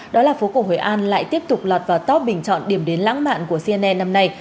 đó là phố cổ hội an lại tiếp tục lọt vào top bình chọn điểm đến lãng mạn của cnne năm nay